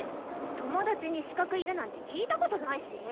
友達に資格いるなんて聞いたことないし！